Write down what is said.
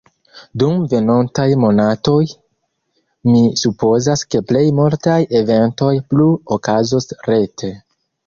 Dum venontaj monatoj, mi supozas ke plej multaj eventoj plu okazos rete.